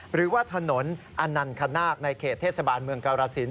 หรือว่าถนนอนันคณาคในเขตเทศบาลเมืองกรสิน